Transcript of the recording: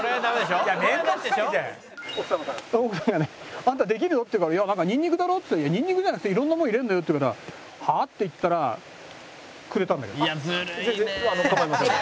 「あんたできるの？」って言うから「ニンニクだろ」って言ったら「ニンニクじゃなくて色んなもの入れるんだよ」って言うから「はあ？」って言ったらくれたんだけど。